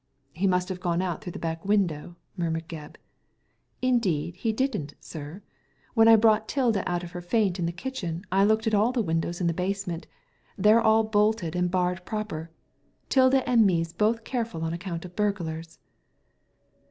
" He must have got out through a back window," murmured Gebb. "Indeed, he didn't, sir. When I brought Tilda out of her faint in the kitchen I looked at all the windows in the basement ; they are all bolted and barred proper. Tilda and me's both careful on account of burglars."